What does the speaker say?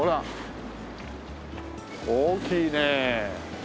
大きいね。